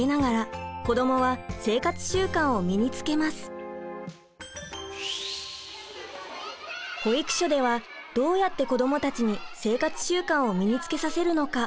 こうした保育所ではどうやって子どもたちに生活習慣を身につけさせるのか。